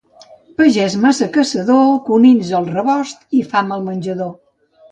Pagès massa caçador, conills al rebost i fam al menjador.